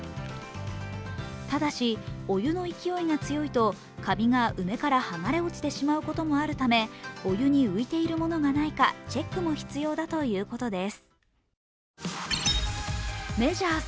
ただし、お湯の勢いが強いとかびが上から剥がれ落ちてしまうこともあるため、お湯に浮いている物かないかチェックも必要だということです。